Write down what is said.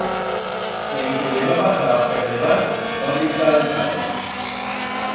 En que le va pasar per debant, va brincar d'el cado.